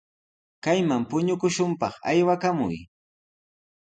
Kayman puñukushunpaq aywakamuy.